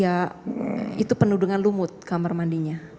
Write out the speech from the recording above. ya itu penuh dengan lumut kamar mandinya